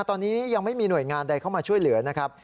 ตอนนี้ยังไม่มีหน่วยงานใดเข้ามาช่วยเหลือนะครับ